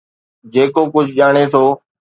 جيڪو ڪجھ ڄاڻي ٿو.